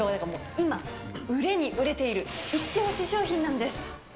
今、売れに売れているイチオシ商品なんです。